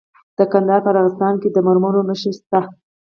د کندهار په ارغستان کې د مرمرو نښې شته.